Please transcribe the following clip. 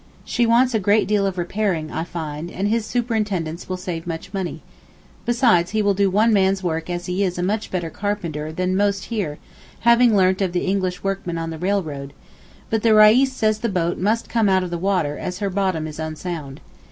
She wants a great deal of repairing I find, and his superintendence will save much money—besides he will do one man's work as he is a much better carpenter than most here having learnt of the English workmen on the railroad—but the Reis says the boat must come out of the water as her bottom is unsound.